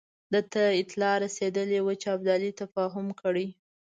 ده ته اطلاع رسېدلې وه چې ابدالي تفاهم کړی.